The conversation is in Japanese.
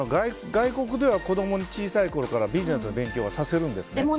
外国ではとても小さいころからビジネスの勉強はさせるんですよ。